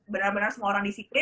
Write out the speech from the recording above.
benar benar semua orang disiplin